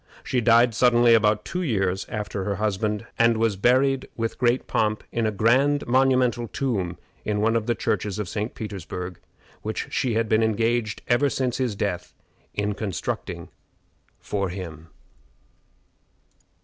She died suddenly about two years after her husband, and was buried with great pomp in a grand monumental tomb in one of the churches of St. Petersburg, which she had been engaged ever since his death in constructing for him.